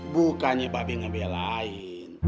bukannya babe ngebelain